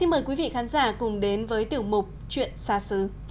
mời quý vị khán giả cùng đến với tiểu mục chuyện xa xứ